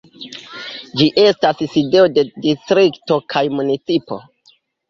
Ĝi estas sidejo de distrikto kaj municipo.